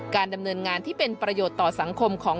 ดำเนินงานที่เป็นประโยชน์ต่อสังคมของ